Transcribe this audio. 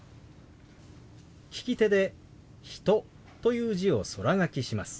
利き手で「人」という字を空書きします。